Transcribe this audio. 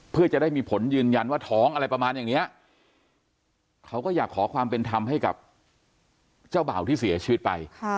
เพื่อจะได้มีผลยืนยันว่าท้องอะไรประมาณอย่างนี้เขาก็อยากขอความเป็นธรรมให้กับเจ้าบ่าวที่เสียชีวิตไป